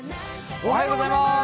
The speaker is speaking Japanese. おはようございます。